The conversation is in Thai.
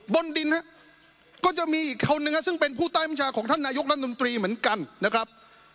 บนดินก็จะมีอีกคนนึงซึ่งเป็นผู้ใต้บัญชาของท่านนายกรัฐมนตรีเหมือนกันนะครับ